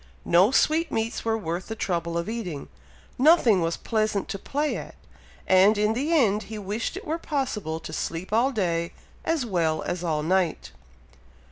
No sweetmeats were worth the trouble of eating, nothing was pleasant to play at, and in the end he wished it were possible to sleep all day, as well as all night.